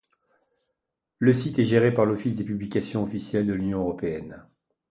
Le site est géré par l'Office des publications officielles de l'Union européenne.